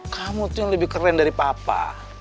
kamu tuh yang lebih keren dari papa